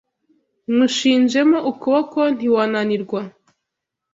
Nywushinzemo ukuboko ntiwananirwa